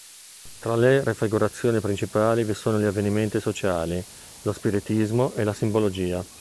Tra le raffigurazioni principali vi sono gli avvenimenti sociali, lo spiritismo e la simbologia.